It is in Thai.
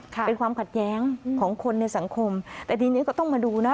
เป็นความขัดแย้งของคนในสังคมแต่ทีนี้ก็ต้องมาดูนะ